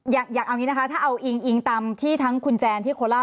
อยากเอาอย่างนี้นะคะถ้าเอาอิงอิงตามที่ทั้งคุณแจนที่โคล่า